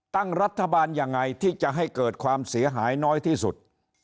ตั้งรัฐบาลยังไงที่จะให้เกิดความเสียหายน้อยที่สุด